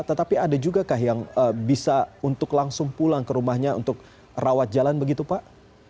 tetapi ada juga kah yang bisa untuk langsung pulang ke rumahnya untuk rawat jalan begitu pak